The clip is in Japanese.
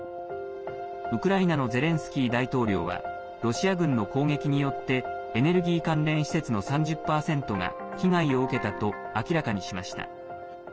ウクライナのゼレンスキー大統領はロシア軍の攻撃によってエネルギー関連施設の３０％が被害を受けたと明らかにしました。